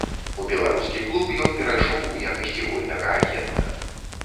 У беларускі клуб ён перайшоў у якасці вольнага агента.